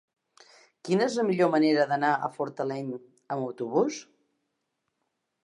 Quina és la millor manera d'anar a Fortaleny amb autobús?